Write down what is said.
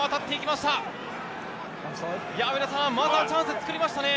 まずはチャンスを作りましたね。